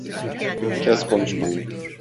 Kes konuşmayı.